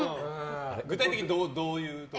具体的にどういうところが？